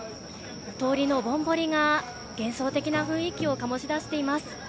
通りのぼんぼりが幻想的な雰囲気を醸し出しています。